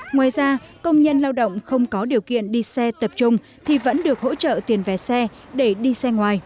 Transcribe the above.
ngoài ra công nhân lao động không có điều kiện đi xe tập trung thì vẫn được hỗ trợ tiền vé xe